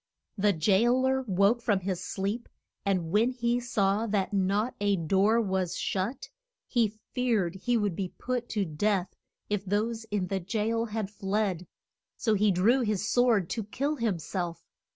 The jail er woke from his sleep, and when he saw that not a door was shut, he feared he would be put to death if those in the jail had fled. So he drew his sword to kill him self.